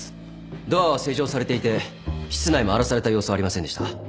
ドアは施錠されていて室内も荒らされた様子はありませんでした。